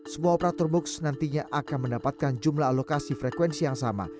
semua operator box nantinya akan mendapatkan jumlah alokasi frekuensi yang sama